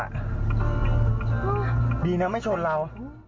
ดีนะไม่ชนเรา